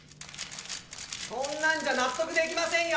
そんなんじゃ納得出来ませんよ！